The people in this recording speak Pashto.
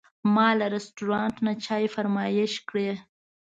ما له رستورانت نه چای فرمایش کړ.